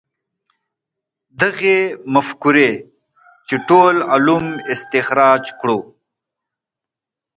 دغې مفکورې چې ټول علوم استخراج کړو.